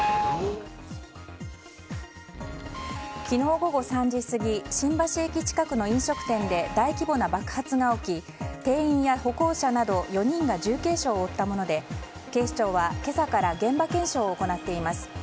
昨日午後３時過ぎ新橋駅近くの飲食店で大規模な爆発が起き店員や歩行者など４人が重軽傷を負ったもので警視庁は今朝から現場検証を行っています。